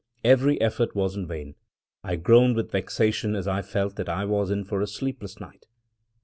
Every effort was in vain; I groaned with vexation as I felt that I was in for a sleepless night.